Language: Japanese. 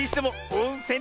おんせん！